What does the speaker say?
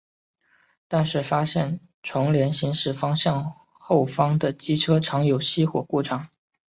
但是发现重联行驶方向后方的机车常有熄火故障。